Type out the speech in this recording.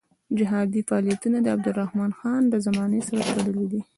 جهادي فعالیتونه د عبدالرحمن خان زمانې سره تړلي دي.